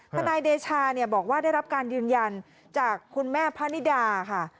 นายเดชาบอกว่าได้รับการยืนยันจากคุณแม่พะนิดาค่ะ